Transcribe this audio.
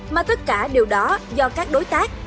mà tất cả điều đó do các đối tác